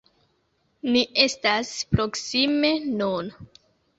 Ni estas proksime nun.